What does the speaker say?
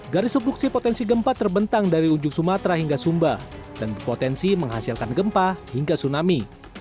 garis subduksi potensi gempa terbentang dari ujung sumatera hingga sumba dan berpotensi menghasilkan gempa hingga tsunami